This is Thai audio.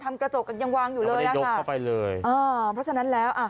ทำกระจกกักยังวางอยู่เลยนะคะเอออ๋อเพราะฉะนั้นแล้ว